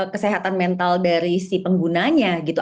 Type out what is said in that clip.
kesehatan mental dari si penggunanya gitu